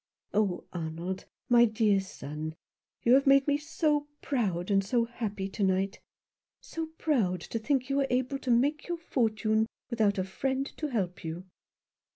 Oh, Arnold, my dear son, you have made me so proud and so happy to night — so proud to think you were able to make your fortune without a friend to help you."